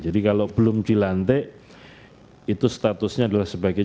jadi kalau belum dilantik itu statusnya adalah sebagainya